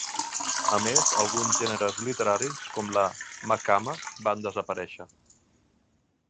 A més, alguns gèneres literaris, com la maqama, van desaparèixer.